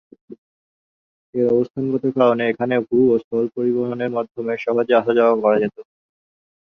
এর অবস্থানগত কারণে এখানে ভূ ও স্থল পরিবহনের মাধ্যমে সহজে আসা যাওয়া করা যেত।